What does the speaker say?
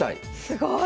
すごい！